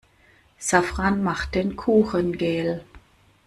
Safran macht den Kuchen gel.